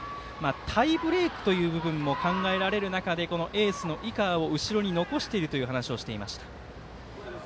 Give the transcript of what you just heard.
タイブレークという部分も考えられる中でこのエースの井川を後ろに残していると話していました。